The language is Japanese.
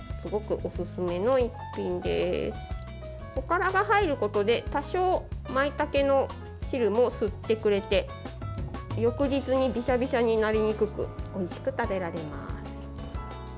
おからが入ることで多少まいたけの汁も吸ってくれて翌日にびしゃびしゃになりにくくおいしく食べられます。